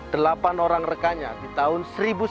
delapan orang rekanya di tahun